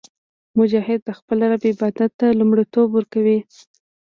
مجاهد د خپل رب عبادت ته لومړیتوب ورکوي.